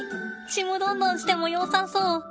ちむどんどんしてもよさそう？